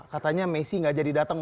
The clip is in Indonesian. katanya messi tidak datang